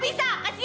kerap banget sih